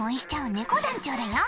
ねこ団長だよ。